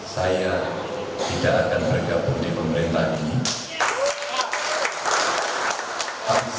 saya tidak akan bergabung di pemerintahan ini